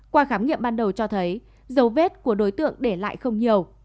qua khám nghiệm ban đầu cho thấy dấu vết của đối tượng để lại không nhiều